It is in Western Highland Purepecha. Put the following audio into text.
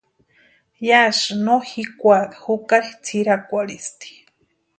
Yásïni no jikwaaka jukari tsʼirakwarhisti.